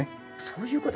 そういう事。